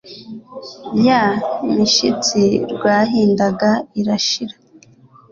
Ya mishitsi rwahindaga irashira